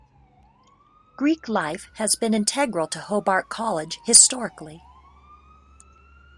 Greek life has been integral to Hobart College historically.